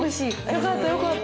よかったよかった。